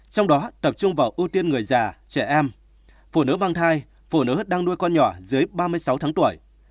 trong đó tập trung vào ưu tiên người già trẻ em phụ nữ mang thai phụ nữ đang nuôi con nhỏ dưới ba mươi sáu tháng tuổi